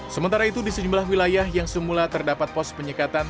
sementara itu di sejumlah wilayah yang semula terdapat pos penyekatan